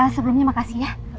sebelumnya makasih ya